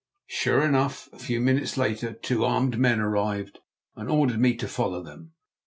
Sure enough, a few minutes later two armed men arrived and ordered me to follow them.